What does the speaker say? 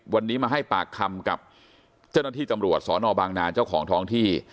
วันนี้มาให้ปากคำกับเจ้าหน้าที่ตำรวจสนบางนาเจ้าของท้องที่